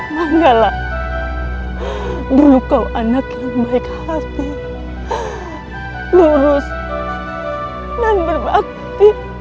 banggalah dulu kau anak yang baik hati lurus dan berbakti